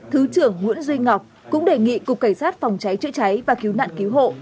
thứ trưởng nguyễn duy ngọc cũng đề nghị cục cảnh sát phòng cháy chữa cháy và cứu nạn cứu hộ